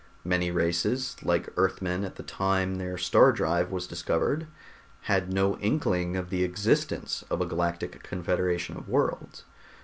Many races, like Earthmen at the time their star drive was discovered, had no inkling of the existence of a Galactic Confederation of worlds.